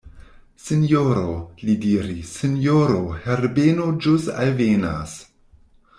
Sinjoro, li diris, sinjoro Herbeno ĵus alvenas.